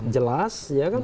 jelas ya kan